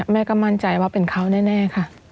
แม่ก็มั่นใจว่าเป็นเขาแน่ค่ะ